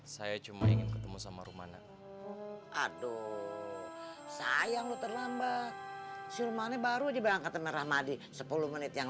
sampai kamu mau dengan ikhlas membuka hati kamu buat abang